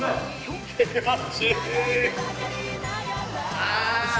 ああ！